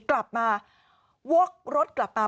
กลับมาวกรถกลับมา